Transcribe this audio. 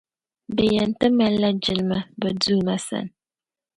Bɛ yɛn ti malila jilma’bɛ Duuma sani.